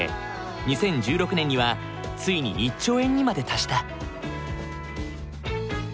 ２０１６年にはついに１兆円にまで達した。